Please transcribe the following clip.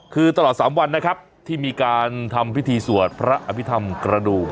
คือตลอด๓วันนะครับที่มีการทำพิธีสวดพระอภิษฐรรมกระดูก